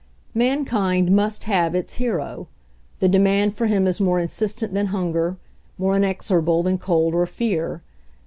Mankind must have its hero. The demand for him is more insistent than hunger, more inex orable than cold or fear.